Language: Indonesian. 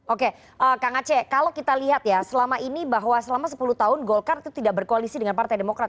oke kang aceh kalau kita lihat ya selama ini bahwa selama sepuluh tahun golkar itu tidak berkoalisi dengan partai demokrat